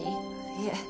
いえ